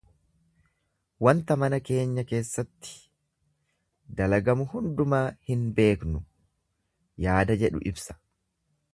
Wanta mana keenya keessatti dalagamu hundumaa hin beeknu yaada jedhu ibsa.